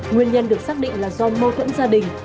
nguyên nhân được xác định là do mâu thuẫn gia đình